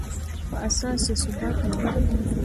په اساس یې ثبات ممکن دی.